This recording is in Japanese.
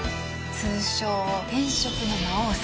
通称、転職の魔王様。